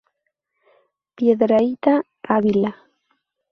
Piedrahíta, Ávila.